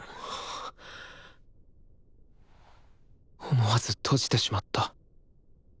思わず閉じてしまった。